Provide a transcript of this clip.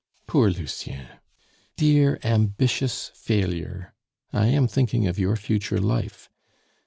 "Poor Lucien! Dear ambitious failure! I am thinking of your future life.